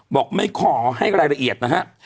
บอกไม่ขอให้รายละเอียดนะฮะ